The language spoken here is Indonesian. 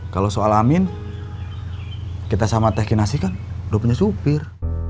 kalau soal amin kita sama techinasi kan udah punya supir